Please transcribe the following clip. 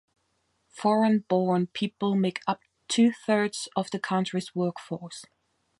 Foreign-born people make up two-thirds of the country's workforce.